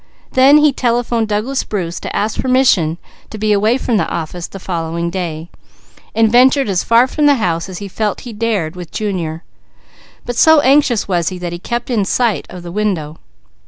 Then he telephoned Douglas Bruce to ask permission to be away from the office the following day, and ventured as far from the house as he felt he dared with Junior; but so anxious was he that he kept in sight of the window.